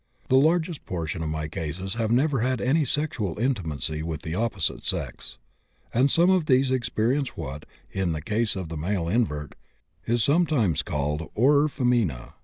The largest proportion of my cases have never had any sexual intimacy with the opposite sex, and some of these experience what, in the case of the male invert, is sometimes called horror feminæ.